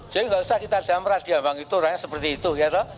jadi tidak usah kita damrah di ambang itu orangnya seperti itu